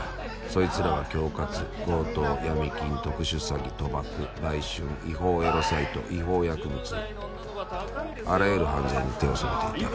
そいつらは恐喝強盗闇金特殊詐欺賭博売春違法エロサイト違法薬物あらゆる犯罪に手を染めていた。